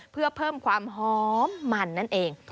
เพื่อเพิ่มความหอมมันนั่นเอง